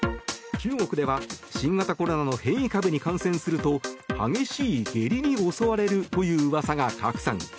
中国では新型コロナの変異株に感染すると激しい下痢に襲われるという噂が拡散。